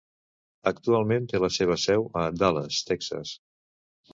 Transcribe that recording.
Actualment té la seva seu a Dallas, Texas.